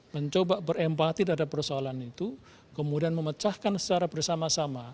mencoba berempati terhadap persoalan itu kemudian memecahkan secara bersama sama